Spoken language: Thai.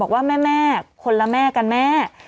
บอกว่าแม่คนละแม่กันแม่